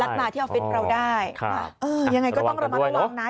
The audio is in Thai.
เออยังไงก็ต้องระมัดระวังนะ